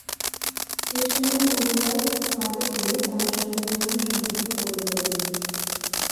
সে সময় কবিরাজ ফাঁদে ফেলে তাঁর সঙ্গে যৌন সম্পর্ক গড়ে তোলেন।